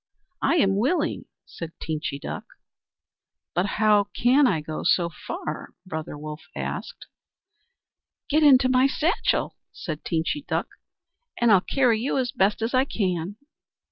"I am willing," said Teenchy Duck. "But how can I go so far?" Brother Wolf asked. "Get into my satchel," said Teenchy Duck, "and I'll carry you as best I can."